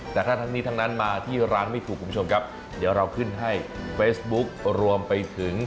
แต่ถ้าทั้งนี้ทั้งนั้นมาที่ร้านไม่ถูกคุณผู้ชมครับเดี๋ยวเราขึ้นให้เฟซบุ๊ครวมไปถึง